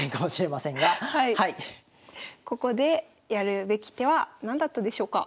ここでやるべき手は何だったでしょうか？